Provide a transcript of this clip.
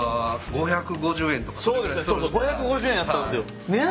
５５０円やったんすよ。